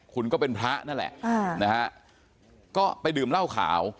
คุณก็เป็นพระนั่นแหละนะฮะก็ไปดื่มเหล้าขาว